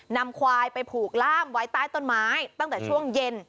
นำควายไปผูกล่ามไว้ใต้ต้นไม้ตั้งแต่ช่วงเย็น